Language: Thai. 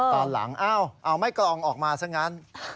ตอนหลังเอาไม้กลองออกมาซะงั้น